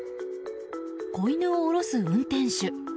子犬を降ろす運転手。